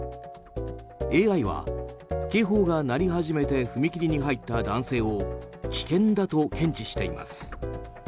ＡＩは警報が鳴り始めて踏切に入った男性を危険だと検知しています。